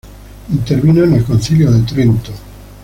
Intervino en el Concilio de Trento.